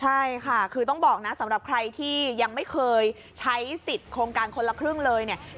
ใช่ค่ะคือต้องบอกนะสำหรับใครที่ยังไม่เคยใช้สิทธิ์โครงการคนละครึ่งเลยเนี่ย